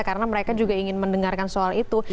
karena mereka juga ingin mendengarkan soal itu